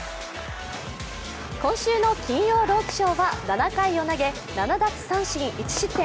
今週の金曜ロウキショーは７回を投げ７奪三振１失点。